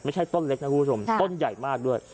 ไม่ใช่ต้นเล็กนะคุณผู้ชมต้นใหญ่มากด้วย